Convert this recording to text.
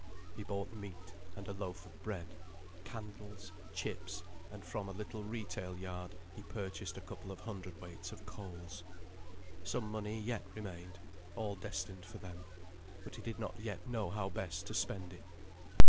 He bought meat, and a loaf of bread, candles, chips, and from a little retail yard he purchased a couple of hundredweights of coals. Some money yet remained all destined for them, but he did not yet know how best to spend it.